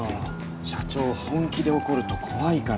社長本気で怒ると怖いから。